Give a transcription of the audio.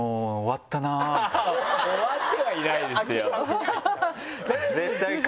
終わってはいないですよ。